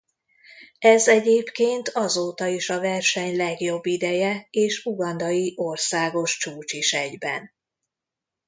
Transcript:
Ez egyébként azóta is a verseny legjobb ideje és ugandai országos csúcs is egyben.